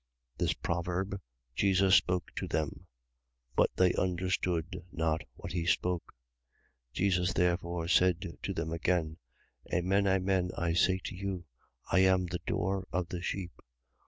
10:6. This proverb Jesus spoke to them. But they understood not what he spoke. 10:7. Jesus therefore said to them again: Amen, amen, I say to you, I am the door of the sheep.